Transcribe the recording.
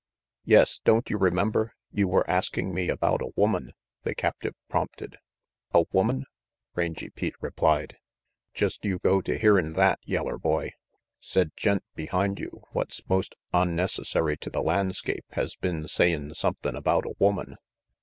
"Yes, don't you remember, you were asking me about a woman?" the captive prompted. "A woman?" Rangy Pete replied. "Jest you go to hearin' that, yeller boy. Said gent behind you what's most onnecessary to the landscape has been sayin' somethin' about a woman.